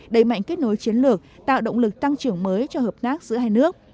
đẩy mạnh kết nối chiến lược tạo động lực tăng trưởng mới cho hợp tác giữa hai nước